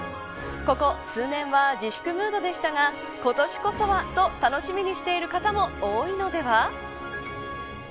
ここ数年は自粛ムードでしたが今年こそはと楽しみにしている方も多いのでは。